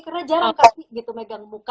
karena jarang kaki gitu megang muka